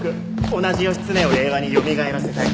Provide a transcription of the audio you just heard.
同じ義経を令和によみがえらせたい。